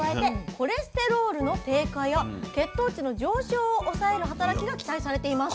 コレステロールの低下や血糖値の上昇を抑える働きが期待されています。